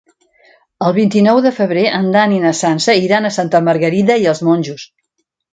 El vint-i-nou de febrer en Dan i na Sança iran a Santa Margarida i els Monjos.